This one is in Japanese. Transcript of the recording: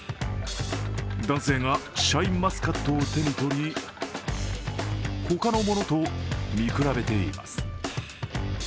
男性がシャインマスカットを手に取り、他のものと見比べています。